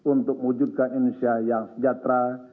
untuk mewujudkan indonesia yang sejahtera